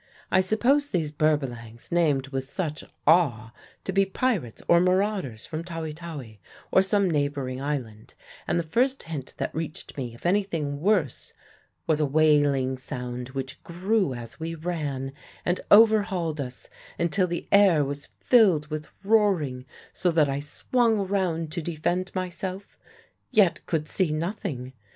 I supposed these Berbalangs, named with such awe, to be pirates or marauders from Tawi Tawi or some neighbouring island, and the first hint that reached me of anything worse was a wailing sound which grew as we ran, and overhauled us, until the air was filled with roaring, so that I swung round to defend myself, yet could see nothing.